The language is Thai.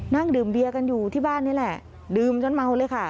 นั่งดื่มเบียร์กันอยู่ที่บ้านนี่แหละดื่มจนเมาเลยค่ะ